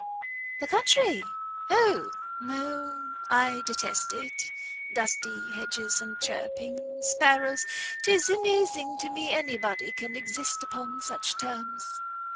"The country? O no! I detest it! Dusty hedges, and chirping sparrows! 'Tis amazing to me any body can exist upon such terms."